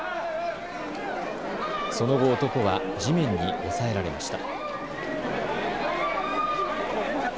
その後、男は地面に押さえられました。